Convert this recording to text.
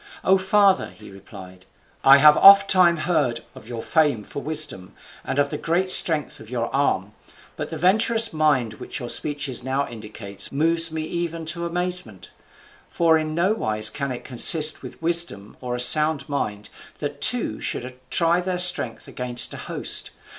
"O father," he replied, "I have ofttimes heard of your fame for wisdom, and of the great strength of your arm, but the venturous mind which your speeches now indicate moves me even to amazement: for in nowise can it consist with wisdom or a sound mind that two should try their strengths against a host.